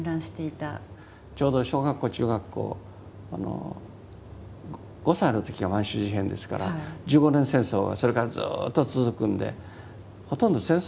ちょうど小学校中学校５歳の時が満州事変ですから十五年戦争はそれからずっと続くんでほとんど戦争の間に育ったわけです。